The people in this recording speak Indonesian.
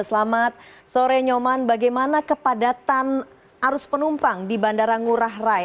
selamat sore nyoman bagaimana kepadatan arus penumpang di bandara ngurah rai